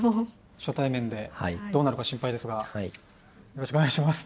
初対面でどうなるか心配ですがよろしくお願いします。